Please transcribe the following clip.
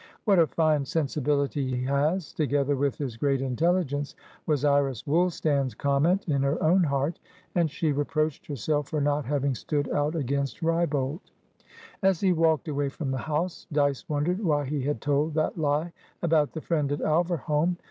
"What a fine sensibility he has, together with his great intelligence!" was Iris Woolstan's comment in her own heart. And she reproached herself for not having stood out against Wrybolt. As he walked away from the house, Dyce wondered why he had told that lie about the friend at Alverholme.